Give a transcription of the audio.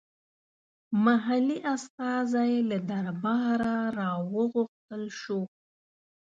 محلي استازی له درباره راوغوښتل شو.